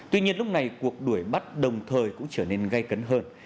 tuy nhiên lúc này cuộc đuổi bắt đồng thời cũng trở nên gây cấn hơn